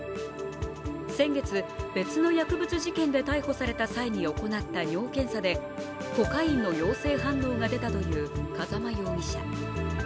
先月、別の薬物事件で逮捕された際に行った尿検査でコカインの陽性反応が出たという風間容疑者。